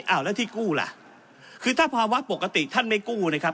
อ้าวแล้วที่กู้ล่ะคือถ้าภาวะปกติท่านไม่กู้นะครับ